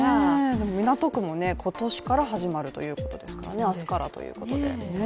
港区も今年から始まるということですからね、明日からということで。